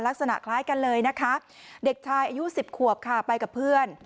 ลักษณะคล้ายกันเลยนะคะเด็กชายอายุ๑๐ขวบค่ะไปกับเพื่อน